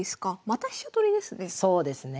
また飛車取りですね。